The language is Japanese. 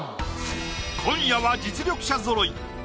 今夜は実力者ぞろい。